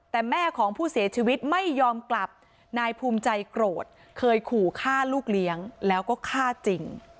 แต่แม่ของผู้เสียชีวิตไม่ยอมกลับนายภูมิใจโกรธเคยขู่ฆ่าลูกเลี้ยงแล้วก็ฆ่าจริง